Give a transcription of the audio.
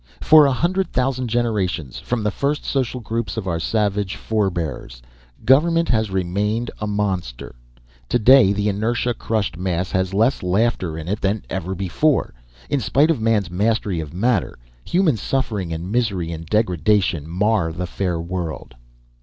For a hundred thousand generations, from the first social groups of our savage forbears, government has remained a monster. To day, the inertia crushed mass has less laughter in it than ever before. In spite of man's mastery of matter, human suffering and misery and degradation mar the fair world.